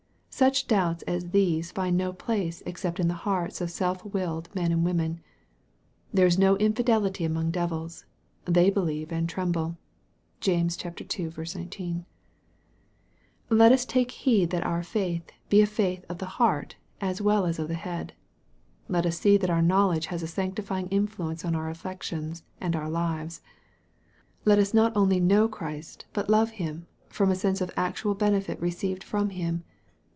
Such doubts as these find no place except in the hearts of self willed men and women. There is no infidelity among devils. " They believe and tremble." (James ii. 19.) Let us take heed that our faith be a faith of the heart as well as of the head. Let us see that our knowledge has a sanctifying influence on our affections and our lives. Let us not only know Christ but love Him, from a sense of actual benefit received from Him.